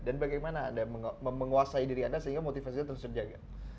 bagaimana anda menguasai diri anda sehingga motivasinya terus terjaga